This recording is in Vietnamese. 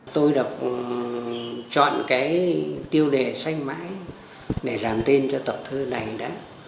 tôi đọc chọn cái tiêu đề sành mãi để làm tên cho tập thơ này đó